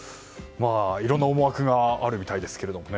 いろいろな思惑があるみたいですけどね。